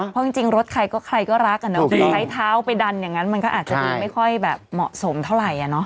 เพราะจริงรถใครก็ใครก็รักอะเนาะใช้เท้าไปดันอย่างนั้นมันก็อาจจะดูไม่ค่อยแบบเหมาะสมเท่าไหร่